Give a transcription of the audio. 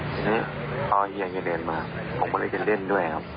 ที่นี่ต่อเฮียงก็เดินมาผมก็เลยกันเล่นด้วยครับ